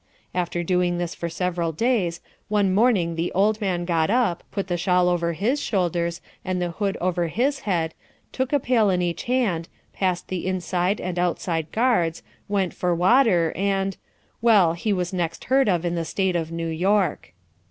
After doing this for several days, one morning the old man got up, put the shawl over his shoulders, and the hood over his head, took a pail in each hand, passed the inside and outside guards, went for water, and—well he was next heard of in the State of New York."